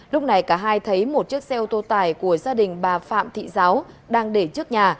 lúc này cả hai thấy một chiếc xe ô tô tải của gia đình bà phạm thị giáo đang để trước nhà